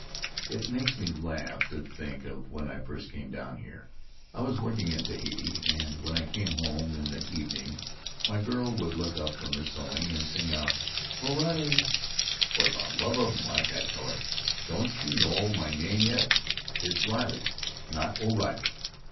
It makes me laugh to think of when I first came down here. I was working in Tahiti, and when I came home in the evening my girl would look up from her sewing and sing out, 'O Riley!' 'For the love of Mike,' I'd tell her, 'don't you know my name yet? It's Riley, not O'Riley!'